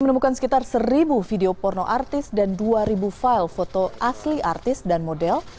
menemukan sekitar seribu video porno artis dan dua ribu file foto asli artis dan model